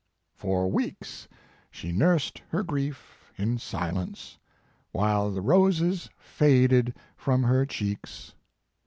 "For weeks she nursed her grief in silence, while the roses faded from her cheeks.